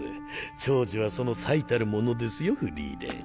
長寿はその最たるものですよフリーレン。